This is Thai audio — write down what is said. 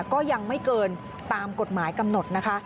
ก็ยังไม่เกินตามกฎหมายกำหนดนะคะ